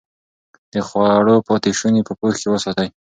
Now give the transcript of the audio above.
د خوړو پاتې شوني په پوښ کې وساتئ.